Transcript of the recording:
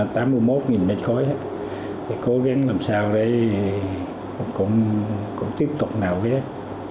thì cố gắng làm sao để cũng tiếp tục nạo vét